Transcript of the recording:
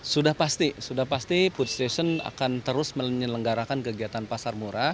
sudah pasti sudah pasti food station akan terus menyelenggarakan kegiatan pasar murah